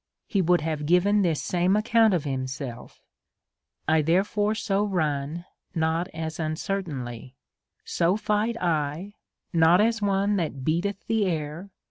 He would have given this same account of himself. " I therefore so run, not as un certainly ; so fight I, not as one that beateth the air; DEVOUT AND HOLY LIFE.